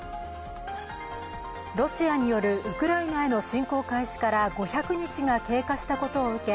ロシアによるウクライナへの侵攻開始から５００日が経過したことを受け